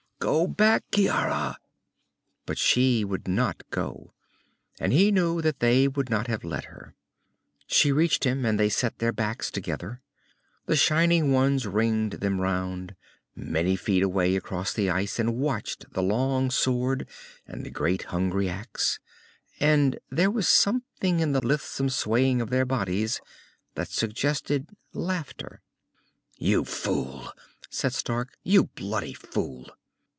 "Go back, Ciara!" But she would not go, and he knew that they would not have let her. She reached him, and they set their backs together. The shining ones ringed them round, many feet away across the ice, and watched the long sword and the great hungry axe, and there was something in the lissome swaying of their bodies that suggested laughter. "You fool," said Stark. "You bloody fool."